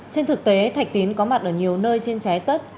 trên thực tế thạch tín có mặt ở nhiều nơi trên trái đất